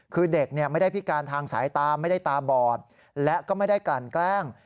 คือเด็กไม่ได้พิการทางสายตาไม่ได้ตาบอดและก็ไม่ได้กลั่นแกล้ง